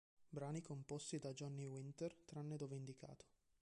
Brani composti da Johnny Winter, tranne dove indicato.